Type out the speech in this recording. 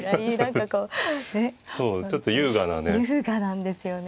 そうちょっと優雅なね。